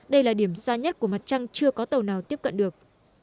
đây là điểm xa nhất của mặt trăng chưa có tàu nào tiếp cận được